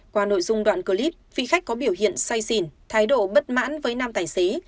qua nội dung đoạn clip phi khách có biểu hiện say xỉn thái độ bất mãn với nam tài xế